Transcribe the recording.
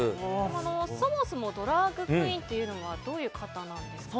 そもそもドラァグクイーンとはどういう方なんですか？